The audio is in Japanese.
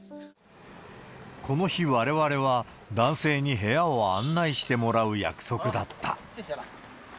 この日、われわれは男性に部屋を案内してもらう約束だった。